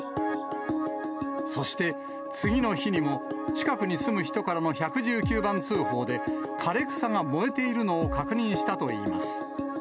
そして、次の日にも近くに住む人からの１１９番通報で、枯れ草が燃えているのを確認したといいます。